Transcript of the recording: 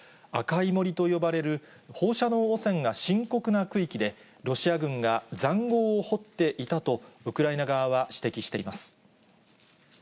赤い森と呼ばれる、放射能汚染が深刻な区域で、ロシア軍がざんごうを掘っていたとウクライナ側は指摘しています。